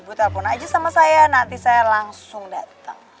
ibu telepon aja sama saya nanti saya langsung datang